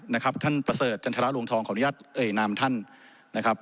นะครับท่านประเสริฐจันทรลวงทองขออนุญาตเอ่ยนามท่านนะครับ